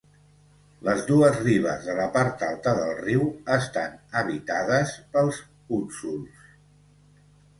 Les dues ribes de la part alta del riu estan habitades pels Hutsuls.